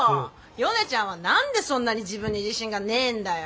ヨネちゃんは何でそんなに自分に自信がねえんだよ？